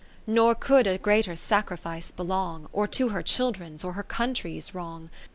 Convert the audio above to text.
Nor could a greater sacrifice belong. Or to her children's, or her country's wrong.